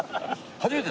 初めて。